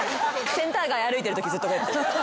センター街歩いてるときずっとこうやって。